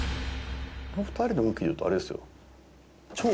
この２人の運気でいうとあれですよ。